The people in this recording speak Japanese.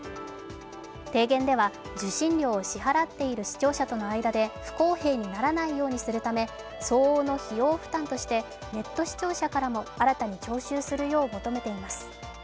提言では、受信料を支払っている視聴者との間で不公平にならないようにするため、相応の費用負担としてネット視聴者からも新たに徴収するよう求めています。